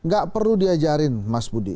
gak perlu diajarin mas budi